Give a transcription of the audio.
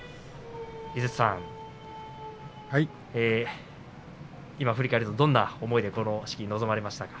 井筒さん、振り返るとどんな思いでこの式に臨まれましたか？